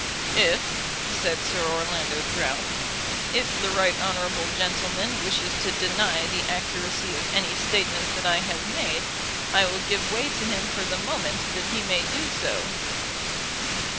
"If," said Sir Orlando Drought, "if the right honourable gentleman wishes to deny the accuracy of any statements that I have made, I will give way to him for the moment, that he may do so."